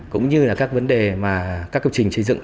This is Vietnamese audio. cũng như các vấn đề mà các cơ trình chế dựng